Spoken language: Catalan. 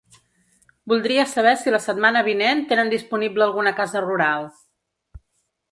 Voldria saber si la setmana vinent tenen disponible alguna casa rural.